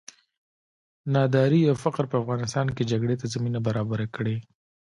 ناداري او فقر په افغانستان کې جګړې ته زمینه برابره کړې.